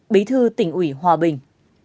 bí thư tỉnh ủy hà đông